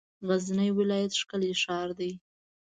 غزنی ولایت ښکلی شار دی.